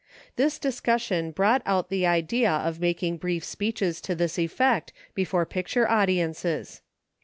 This discussion brought out the idea of making brief speeches to this effect before picture audiences.